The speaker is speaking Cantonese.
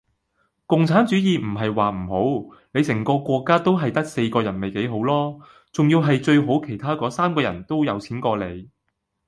共產主義唔系話唔好，你成個國家都系得四個人咪幾好羅!仲要系最好其它嗰三個人都有錢過你!